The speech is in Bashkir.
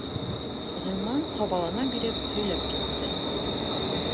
Ғилман ҡабалана биреп һөйләп китте: